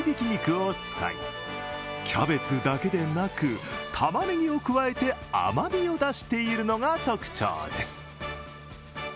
肉を使いキャベツだけでなく、たまねぎを加えて甘みを出しているのが特徴です。